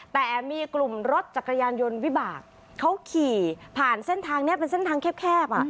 แต่มีกลุ่มรถจักรยานยนต์วิบากเขาขี่ผ่านเส้นทางนี้เป็นเส้นทางแคบ